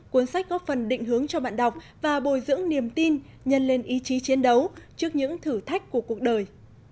cuốn sách góp phần định hướng cho bạn đọc và bồi dưỡng niềm tin nhân lên ý chí chiến đấu trước những thử thách của cuộc đời